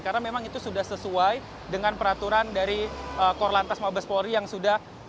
karena memang itu sudah sesuai dengan peraturan dari korlantas mabes polri yang sudah